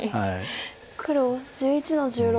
黒１１の十六。